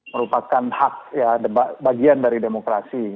merupakan hak ya bagian dari demokrasi